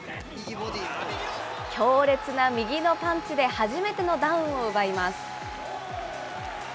強烈な右のパンチで初めてのダウンを奪います。